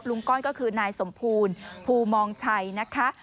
ก้อยก็คือนายสมบูรณ์ภูมองชัยนะคะ